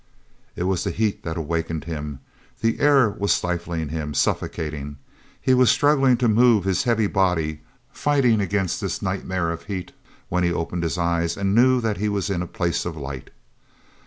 It was the heat that awakened him. The air was stifling him, suffocating. He was struggling to move his heavy body, fighting against this nightmare of heat when he opened his eyes and knew that he was in a place of light.